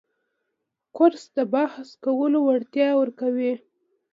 کورس د بحث کولو وړتیا ورکوي.